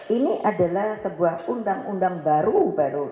ini adalah sebuah undang undang baru baru